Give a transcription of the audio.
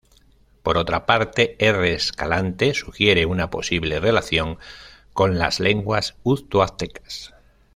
Por otra parte, R. Escalante sugiere una posible relación con las lenguas utoaztecas.